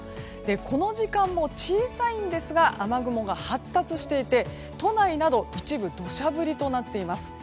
この時間も小さいんですが雨雲が発達していて都内など一部土砂降りとなっています。